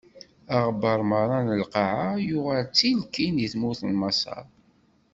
Aɣebbar meṛṛa n lqaɛa yuɣal d tilkin di tmurt n Maṣer.